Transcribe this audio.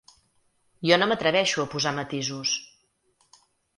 Jo no m’atreveixo a posar matisos.